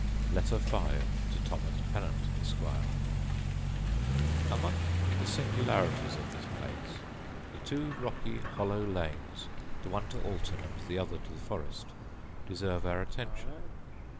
Letter V To Thomas Pennant, Esquire Among the singularities of this place the two rocky hollow lanes, the one to Alton, and the other to the forest, deserve our attention.